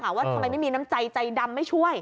ว่าทำไมไม่มีน้ำใจใจดำไม่ช่วย